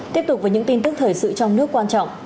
tiếp tục với những tin tức thời sự trong nước quan trọng